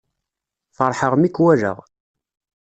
Feṛḥeɣ mi k-wallaɣ